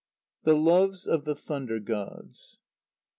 _The Loves of the Thunder Gods.